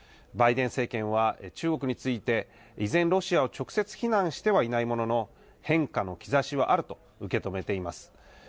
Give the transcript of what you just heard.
バイデン政権は中国について、依然、ロシアを直接非難してはいないものの、変化の兆しはあると受け止めています。